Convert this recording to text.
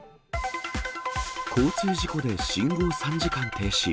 交通事故で信号３時間停止。